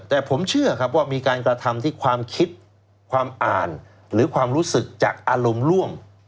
แต่ผมเชื่อครับว่ามีการกระทำที่ความคิดความอ่านหรือความรู้สึกจากอารมณ์ร่วม